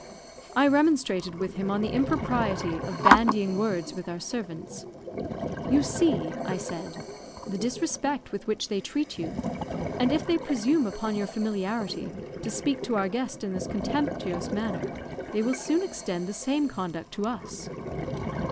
I remonstrated with him on the impropriety of bandying words with our servants. "You see," I said, "the disrespect with which they treat you; and if they presume upon your familiarity, to speak to our guest in this contemptuous manner, they will soon extend the same conduct to us."